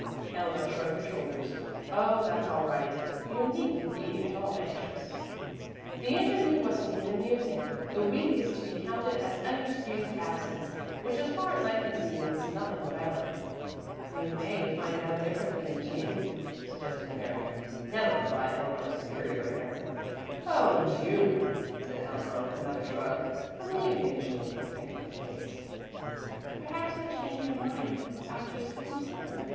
Eleanor shrugged her shoulders. "Oh, that's all right; you needn't be at all anxious. The interview wasn't even amusing. The week is to be counted as unexcused absence which as far as I can see means nothing whatever." "You may find out differently in June," suggested Mary, nettled by Eleanor's superior air. "Oh, June!" said Eleanor with another shrug. "I'm leaving in June, thank the fates!" "Perhaps you'll change your mind after spring term.